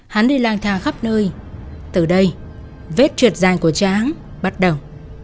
hắn đi lang thang khắp nơi từ đây vết trượt dài của tráng bắt đầu